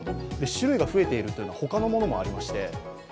種類が増えているというのも他のものもありまして。